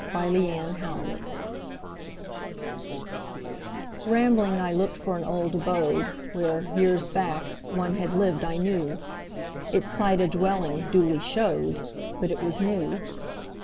LIFE LAUGHS ONWARD RAMBLING I looked for an old abode Where, years back, one had lived I knew; Its site a dwelling duly showed, But it was new.